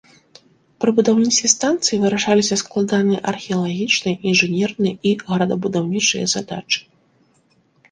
Пры будаўніцтве станцыі вырашаліся складаныя археалагічныя, інжынерныя і горадабудаўнічыя задачы.